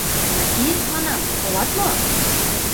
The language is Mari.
«Нати, — манам, — колат мо?»